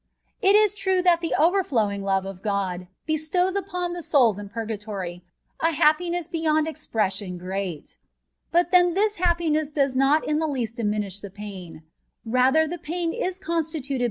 It is true that the overflowing love of God bestows upon the souls in purgatory a happiness beyond expression great : but then this happiness does not in the least diminish the pain — rather the pain is constituted "X A TBEATISE OK FUBOATOBT.